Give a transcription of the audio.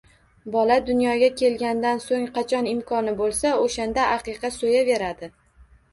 Bola dunyoga kelganidan so‘ng qachon imkoni bo‘lsa, o‘shanda aqiqa so‘yaveradi.